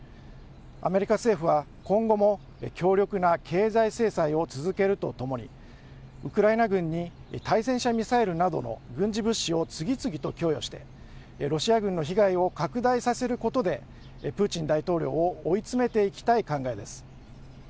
アメリカ政府は今後も強力な経済制裁を続けるとともにウクライナ軍に対戦車ミサイルなどの軍事物資を次々と供与してロシア軍の被害を拡大させることでプーチン大統領を追い詰めていきたい考えです。